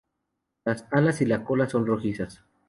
Las alas y la cola son rojizas.